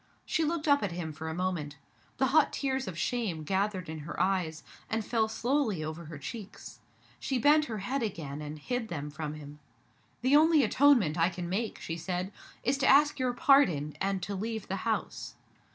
She looked up at him for a moment. The hot tears of shame gathered in her eyes, and fell slowly over her cheeks. She bent her head again, and hid them from him. "The only atonement I can make," she said, "is to ask your pardon, and to leave the house."